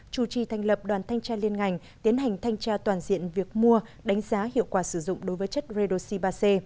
chủ trì thành lập đoàn thanh tra liên ngành tiến hành thanh tra toàn diện việc mua đánh giá hiệu quả sử dụng đối với chất redoxi ba c